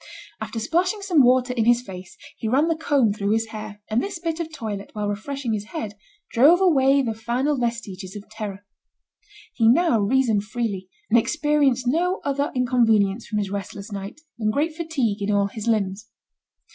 After splashing some water in his face, he ran the comb through his hair, and this bit of toilet while refreshing his head, drove away the final vestiges of terror. He now reasoned freely, and experienced no other inconvenience from his restless night, than great fatigue in all his limbs.